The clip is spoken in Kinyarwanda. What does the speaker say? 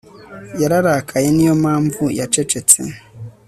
Yararakaye Niyo mpamvu yacecetse